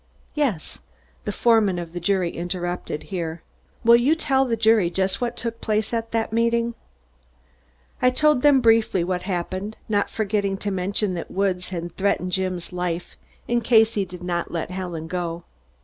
"Yes." The foreman of the jury interrupted here. "Will you tell the jury just what took place at that meeting?" I told them briefly what happened, not forgetting to mention that Woods had threatened Jim's life in case he did not let Helen go.